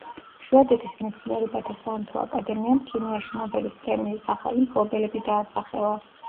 შვედეთის მეცნიერებათა სამეფო აკადემიამ ქიმიაში ნობელის პრემიის ახალი მფლობელები დაასახელა.